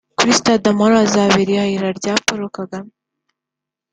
Kuri Stade Amahoro ahazabera irahira rya Paul Kagame